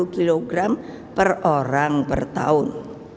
enam puluh kg per orang per tahun